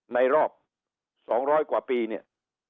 ในรอบ๒๐๐กว่าปีเนี่ย